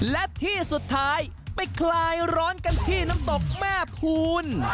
และที่สุดท้ายไปคลายร้อนกันที่น้ำตกแม่ภูล